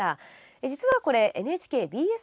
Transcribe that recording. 実はこれＮＨＫＢＳ